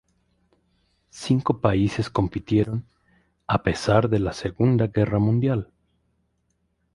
Cinco países compitieron a pesar de la Segunda Guerra Mundial.